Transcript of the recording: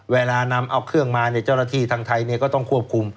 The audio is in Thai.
เวลานำเอาเครื่องมาเจ้าหน้าที่ทางไทยก็ต้องควบคุม